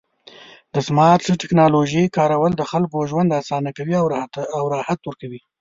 د سمارټ ټکنالوژۍ کارول د خلکو ژوند اسانه کوي او راحت ورکوي.